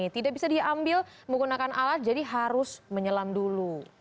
tidak bisa diambil menggunakan alat jadi harus menyelam dulu